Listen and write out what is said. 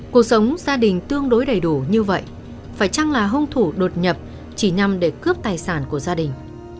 cuộc sống gia đình tương đối đầy đủ như vậy phải chăng là hung thủ đột nhập chỉ nhằm để cướp tài sản của gia đình